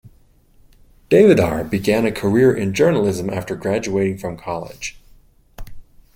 Davidar began a career in journalism after graduating from college.